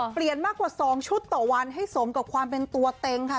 เปลี่ยนมากกว่า๒ชุดต่อวันให้สมกับความเป็นตัวเต็งค่ะ